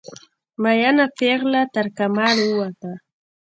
میینه پیغله ترکمال ووته